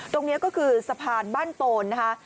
ตรงนี้ก็คือสะพานบ้านโตนนะคะ